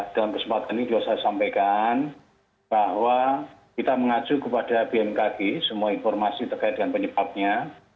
dalam kesempatan ini juga saya sampaikan bahwa kita mengacu kepada bmkg semua informasi terkait dengan penyebabnya